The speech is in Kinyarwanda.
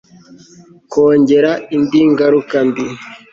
kongera indi ngaruka mbi